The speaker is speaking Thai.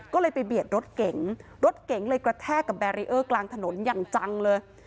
ก็เลยไปเบียดรถเก๋งรถเก๋งเลยกระแทกกับแบรีเออร์กลางถนนอย่างจังเลย